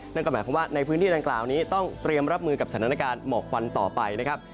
นั่นก็หมายความว่าในพื้นที่ดังกล่าวนี้ต้องเตรียมรับมือกับสถานการณ์หมอกควันต่อไปนะครับ